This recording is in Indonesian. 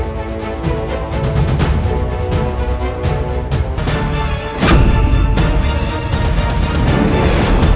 dan menangkan kakakmu